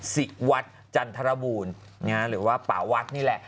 สิวัดจันทรบูลหรือว่าป่าวัดนี่แหละ